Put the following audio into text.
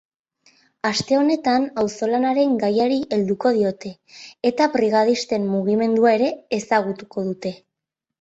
Aste honetan auzolanaren gaiari helduko diote eta brigadisten mugimendua ere ezagutuko dute.